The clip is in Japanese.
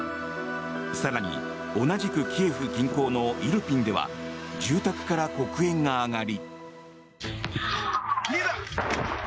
更に、同じくキエフ近郊のイルピンでは住宅から黒煙が上がり。